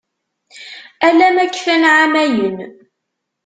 Ala ma kfan εamayan.